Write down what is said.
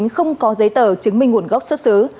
không có giấy tờ chứng minh nguồn gốc xuất xứ